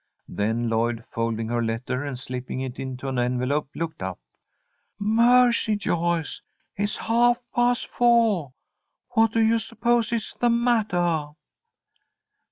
Then Lloyd, folding her letter and slipping it into an envelope, looked up. "Mercy, Joyce! It's half past foah! What do you suppose is the mattah?"